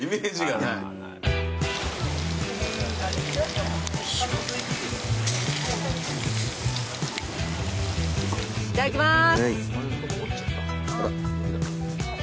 いただきます。